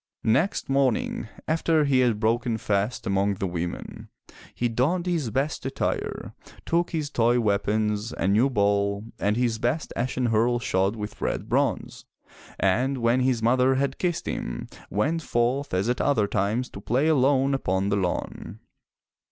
Next morning, after he had broken fast among the women, he donned his best attire, took his toy weapons, a new ball, and his best ashen hurle shod with red bronze, and when his mother had kissed him, went forth as at other times to play alone upon the lawn.